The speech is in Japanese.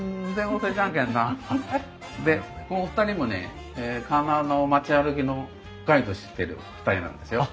でこのお二人もね鉄輪の町歩きのガイドをしてる２人なんですよ。